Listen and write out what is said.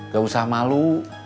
gak usah malu